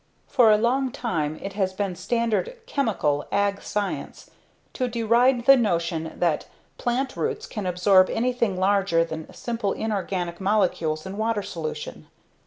For a long time it has been standard "chemical" ag science to deride the notion that plant roots can absorb anything larger than simple, inorganic molecules in water solution.